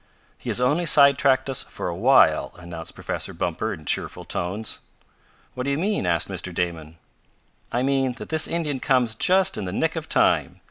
"He has only side tracked us for a while," announced Professor Bumper in cheerful tones. "What do you mean?" asked Mr. Damon. "I mean that this Indian comes just in the nick of time.